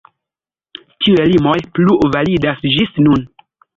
Tiuj limoj plu validas ĝis nun.